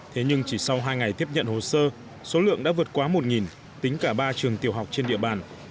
thế nhưng chỉ sau hai ngày tiếp nhận hồ sơ số lượng đã vượt quá một tính cả ba trường tiểu học trên địa bàn